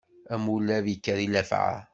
Amulab ikker i llafɛa.